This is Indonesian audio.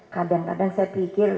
kadang kadang saya pikir